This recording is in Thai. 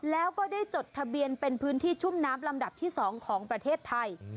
แล้วก็ได้จดทะเบียนเป็นพื้นที่ชุ่มน้ำลำดับที่๒ของประเทศไทย